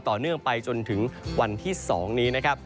ต่อเนื่องไปจนถึงวันที่๒นี้นะครับ